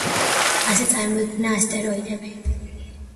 ასე წარმოიქმნა ასტეროიდები.